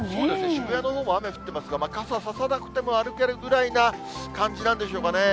渋谷のほうも雨降っていますが、傘差さなくても歩けるぐらいな感じなんでしょうかね。